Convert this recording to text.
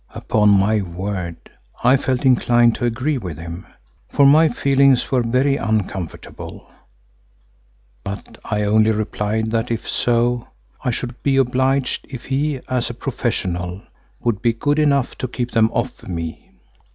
Upon my word I felt inclined to agree with him, for my feelings were very uncomfortable, but I only replied that if so, I should be obliged if he, as a professional, would be good enough to keep them off me.